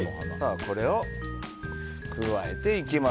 これを加えていきます。